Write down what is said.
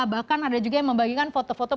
bahkan ada juga yang membagikan foto foto